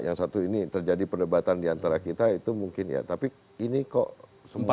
yang satu ini terjadi perdebatan diantara kita itu mungkin ya tapi ini kok semuanya